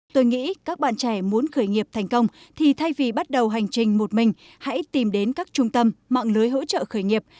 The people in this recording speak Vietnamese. tôi nghĩ các bạn trẻ muốn khởi nghiệp thành công thì thay vì bắt đầu hành trình một mình hãy tìm đến các trung tâm mạng lưới hỗ trợ khởi nghiệp